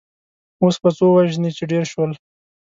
اوس به څو وژنې چې ډېر شول.